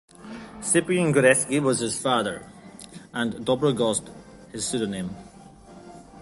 Cyprian Godebski was his father, and Dobrogost his pseudonym.